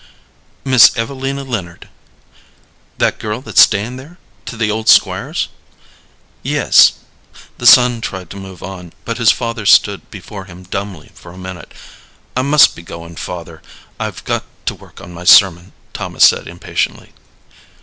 "Miss Evelina Leonard." "That girl that's stayin' there to the old Squire's?" "Yes." The son tried to move on, but his father stood before him dumbly for a minute. "I must be going, father. I've got to work on my sermon," Thomas said, impatiently.